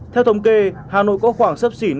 theo thống kê hà nội có khoảng sấp xỉ